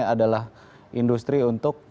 adalah industri untuk